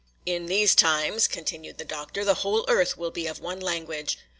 'In those times,' continued the Doctor, 'the whole earth will be of one language.